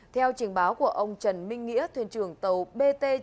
theo trình báo của ông trần minh nghĩa thuyền trường tàu bt